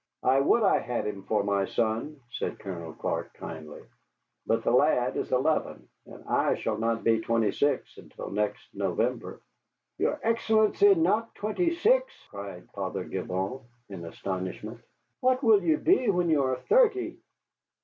"I would I had him for my son," said Colonel Clark, kindly; "but the lad is eleven, and I shall not be twenty six until next November." "Your Excellency not twenty six!" cried Father Gibault, in astonishment. "What will you be when you are thirty?"